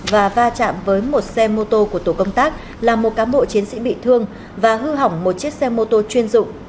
và va chạm với một xe mô tô của tổ công tác là một cám bộ chiến sĩ bị thương và hư hỏng một chiếc xe mô tô chuyên dụng